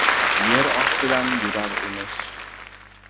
«Yer ostidan yurar emish».